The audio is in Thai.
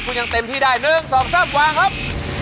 คุณยังเต็มที่ได้๑๒๓วางครับ